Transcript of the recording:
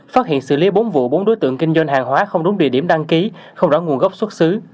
phát hiện xử lý bốn vụ bốn đối tượng kinh doanh hàng hóa không đúng địa điểm đăng ký không rõ nguồn gốc xuất xứ